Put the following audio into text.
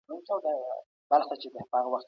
دا د صنعتي تولیداتو اغېزه وه.